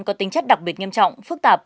có tính chất đặc biệt nghiêm trọng phức tạp